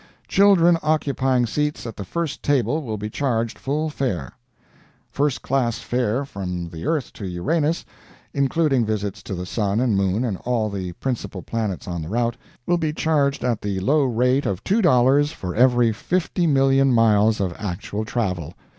Children occupying seats at the first table will be charged full fare. FIRST CLASS FARE from the Earth to Uranus, including visits to the Sun and Moon and all the principal planets on the route, will be charged at the low rate of $2 for every 50,000,000 miles of actual travel.